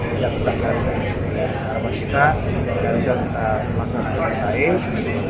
kita tetapkan harapan kita dan juga bisa melakukan hal lain